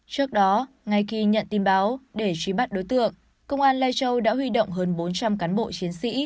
trước đó ngay khi nhận tin báo để truy bắt đối tượng công an lai châu đã huy động hơn bốn trăm linh cán bộ chiến sĩ